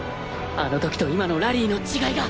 あの時と今のラリーの違いが！